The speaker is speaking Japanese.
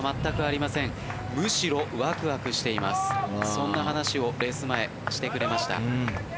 そんな話をレース前してくれました。